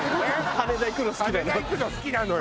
羽田行くの好きなのよ